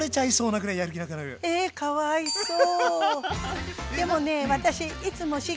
えかわいそう！